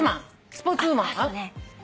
スポーツウーマン。